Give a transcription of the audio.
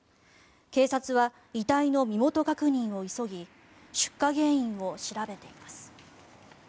警察は遺体の身元確認を急ぎ出火原因を調べています。